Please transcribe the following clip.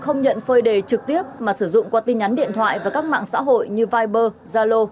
không nhận phơi đề trực tiếp mà sử dụng qua tin nhắn điện thoại và các mạng xã hội như viber zalo